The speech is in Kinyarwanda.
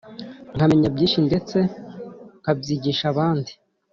nkamenya byinshi ndetse nkabyigisha abandi.